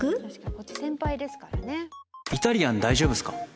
こっち先輩ですからね。